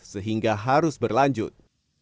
sehingga harus berlanjut